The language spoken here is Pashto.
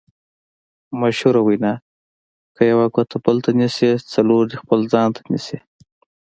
مشهوره وینا: که یوه ګوته بل ته نیسې څلور دې خپل ځان ته نیسې.